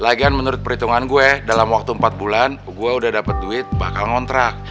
lagian menurut perhitungan gue dalam waktu empat bulan gue udah dapet duit bakal ngontrak